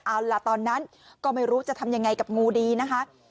เอาล่ะตอนนั้นก็ไม่รู้จะทำยังไงกับงูดีนะคะ